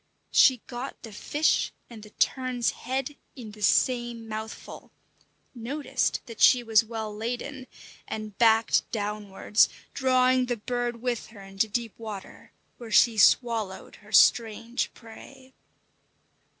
She got the fish and the tern's head in the same mouthful, noticed that she was well laden, and backed downwards, drawing the bird with her into deep water, where she swallowed her strange prey.